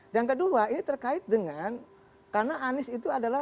dan kedua ini terkait dengan karena anies itu adalah